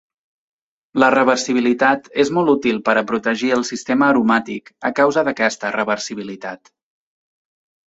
La reversibilitat és molt útil per a protegir el sistema aromàtic a causa d'aquesta reversibilitat.